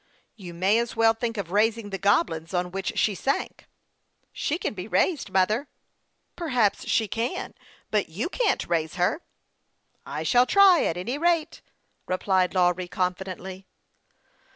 " You may as well think of raising the Goblins on which she sank." 82 HASTE AND WASTE, OR " She can be raised, mother." " Perhaps she can, but you can't raise her." " I shall try, at any rate," replied Lawry, con fidently.